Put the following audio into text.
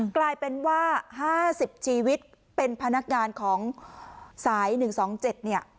กลายเป็นว่า๕๐ชีวิตเป็นพนักงานของสาย๑๒๗เนี่ย